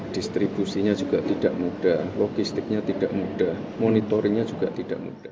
distribusinya juga tidak mudah logistiknya tidak mudah monitoringnya juga tidak mudah